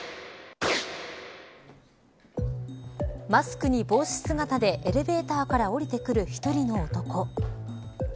マスクに帽子姿でエレベーターから降りてくる１人の男。